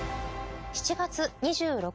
７月２６日